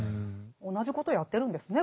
同じことやってるんですね